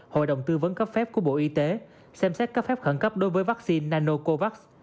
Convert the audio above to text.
hội đồng tư vấn cấp phép của bộ y tế xem xét cấp phép khẩn cấp đối với vaccine nanocovax